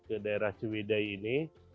ke daerah ciwidei ini